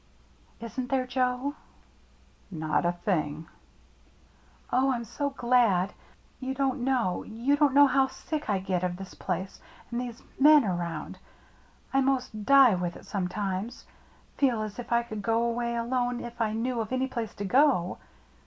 " Isn't there, Joe ?"" Not a thing." " Oh, I'm so glad. You don't know — you don't know how sick I get of this place, and these men around. I most die with it some times — feel as if I could go away alone if I knew of any place to go.